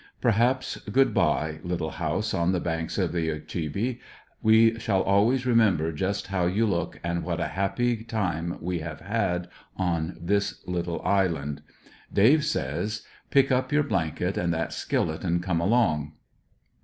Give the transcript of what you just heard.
Perhaps good bye, little house on the banks of the Ogechee, we shall always remember just how you look, and what a happy time we have had on this little island. Dave says :' 'Pick up 3^our blanket and that skillet, and come along."